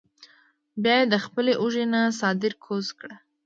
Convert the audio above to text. بیا ئې د خپلې اوږې نه څادر کوز کړۀ ـ